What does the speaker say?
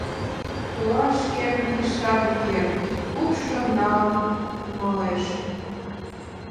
Толаш, шкенжын тӱсшат уке, упшыжым налын кумалеш.